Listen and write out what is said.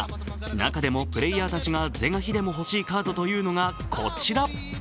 中でもプレーヤーたちが是が非でも欲しいカードというのがこちら。